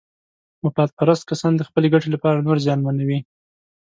مفاد پرست کسان د خپلې ګټې لپاره نور زیانمنوي.